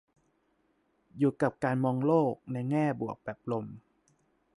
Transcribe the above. อยู่กับการมองโลกในแง่บวกแบบลม